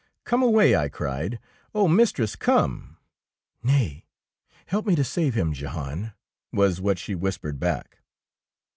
'' Come away,'' I cried, " oh, mistress, come." " Nay, help me to save him, Jehan," was what she whispered back.